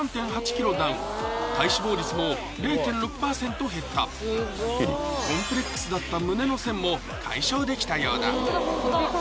ダウン体脂肪率も０．６％減ったコンプレックスだった胸の線も解消できたようだ！